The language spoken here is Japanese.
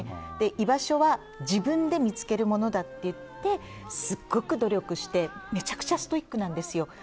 居場所は自分で見つけるものだっていってすごく努力して、めちゃくちゃストイックなんですよ。